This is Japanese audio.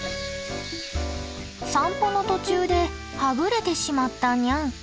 散歩の途中ではぐれてしまったニャン。